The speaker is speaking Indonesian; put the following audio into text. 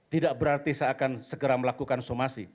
tidak berarti saya akan segera melakukan somasi